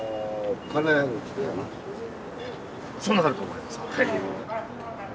そうなると思います。